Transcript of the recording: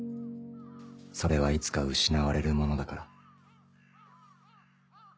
それはいつか失われるものだから。